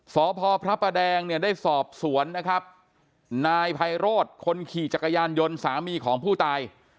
สพพระประแดงเนี่ยได้สอบสวนนะครับนายไพโรธคนขี่จักรยานยนต์สามีของผู้ตาย